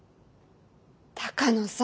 鷹野さん